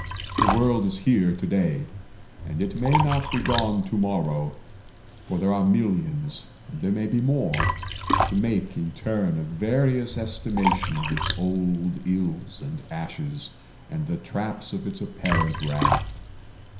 The world is here Today, and it may not be gone tomorrow; For there are millions, and there may be more, To make in turn a various estimation Of its old ills and ashes, and the traps Of its apparent wrath.